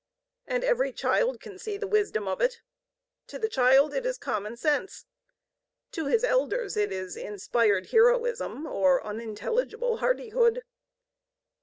And every child can see the wisdom of it. To the child it is common sense: to his elders it is inspired heroism or unintelligible hardihood.